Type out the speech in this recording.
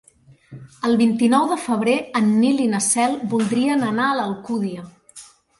El vint-i-nou de febrer en Nil i na Cel voldrien anar a l'Alcúdia.